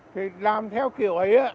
thì làm theo kiểu ấy